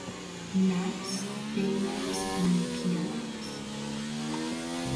Maps, Bing Maps, and Nokia Maps.